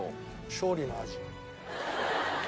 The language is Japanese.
勝利の味。